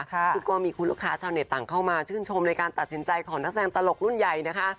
ซึ่งก็มีคุณลูกค้าชาวเน็ตต่างเข้ามาชื่นชมในการตัดสินใจของนักแสดงตลกรุ่นใหญ่นะคะ